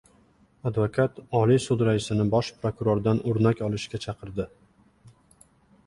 Advokat Oliy sud raisini Bosh prokurordan o‘rnak olishga chaqirdi